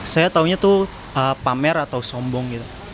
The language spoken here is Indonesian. saya taunya tuh pamer atau sombong gitu